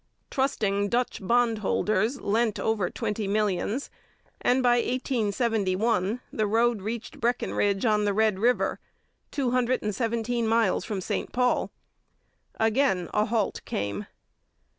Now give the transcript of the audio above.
Trusting Dutch bondholders lent over twenty millions, and by 1871 the road reached Breckenridge on the Red River, two hundred and seventeen miles from St Paul. Again a halt came.